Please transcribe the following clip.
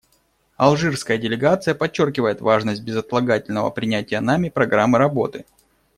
Алжирская делегация подчеркивает важность безотлагательного принятия нами программы работы.